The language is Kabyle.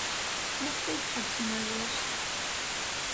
Maɣef ay tḥebsem awal?